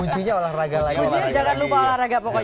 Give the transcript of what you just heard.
kunci nya olahraga lagi